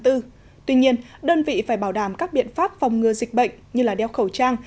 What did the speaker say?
tuy nhiên đơn vị phải bảo đảm các biện pháp phòng ngừa dịch bệnh như đeo khẩu trang